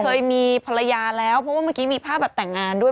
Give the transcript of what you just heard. เคยมีภรรยาแล้วเพราะว่าเมื่อกี้มีภาพแบบแต่งงานด้วย